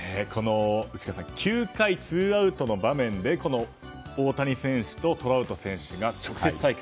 内川さん９回ツーアウトの場面でこの大谷選手とトラウト選手が直接対決。